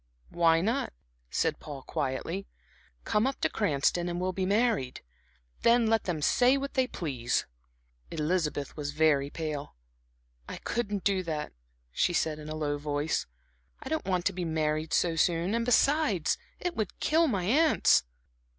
"Why not," said Paul, quietly. "Come up to Cranston and we will be married. Then let them say what they please." Elizabeth was very pale. "I couldn't do that," she said in a low voice. "I don't want to be married so soon; and besides it would kill my aunts."